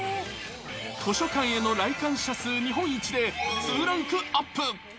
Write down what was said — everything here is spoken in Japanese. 図書館への来館者数日本一で、２ランクアップ。